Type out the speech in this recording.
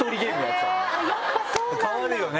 変わるよね！